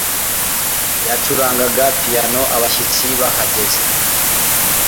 Yacurangaga piyano abashyitsi bahageze